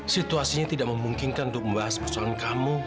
situasinya tidak memungkinkan untuk membahas persoalan kamu